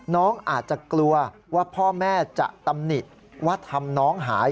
น้องอาจจะกลัวว่าพ่อแม่จะตำหนิว่าทำน้องหาย